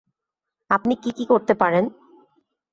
আপনি কী কী করতে পারেন?